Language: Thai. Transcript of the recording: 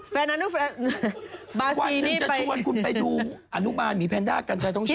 วันนึงจะชวนคุณไปดูอนุมานหมีแพนด้ากันใครต้องชอบ